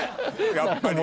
やっぱり。